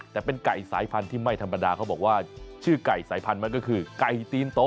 แต่เป็นไก่สายพันธุ์ที่ไม่ธรรมดาเขาบอกว่าชื่อไก่สายพันธุ์มันก็คือไก่ตีนโต